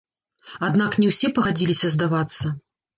Аднак не ўсе пагадзіліся здавацца.